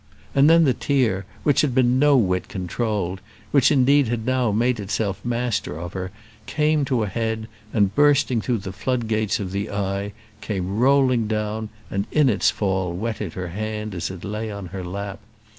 And then the tear, which had been no whit controlled, which indeed had now made itself master of her, came to a head, and, bursting through the floodgates of the eye, came rolling down, and in its fall, wetted her hand as it lay on her lap.